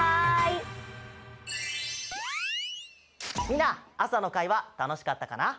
みんな朝の会はたのしかったかな？